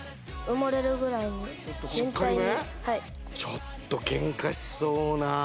ちょっとケンカしそうな。